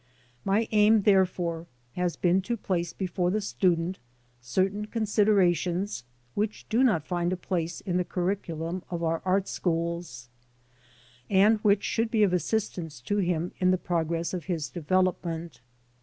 My aim, therefore, has been to place before the student certain considera tions which do not find a place in the curriculum of our art schools, and which should be of assistance to him in the progress of his development.